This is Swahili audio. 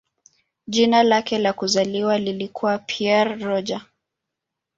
Jina lake la kuzaliwa lilikuwa "Pierre Roger".